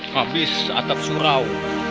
habis atap surau